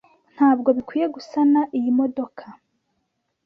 Ntabwo bikwiye gusana iyi modoka.